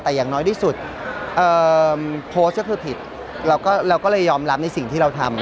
แต่อย่างน้อยที่สุดโพสต์ก็คือผิดเราก็เลยยอมรับในสิ่งที่เราทำ